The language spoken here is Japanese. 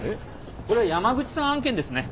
これは山口さん案件ですね。